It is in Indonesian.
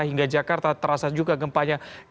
hingga jakarta terasa juga gempanya